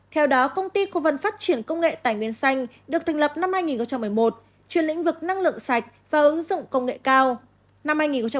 theo đó công ty cổ phần phát triển công nghệ tài nguyên xanh được thành lập năm hai nghìn một mươi một trên lĩnh vực năng lượng sạch và ứng dụng công nghệ cao